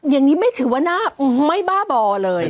อย่างนี้ไม่ถือว่าน่าไม่บ้าบอเลย